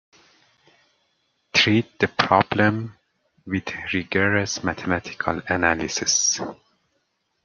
Treat the problem with rigorous mathematical analysis.